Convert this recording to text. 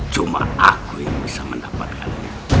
cuma aku yang bisa mendapatkan